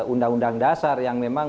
undang undang dasar yang memang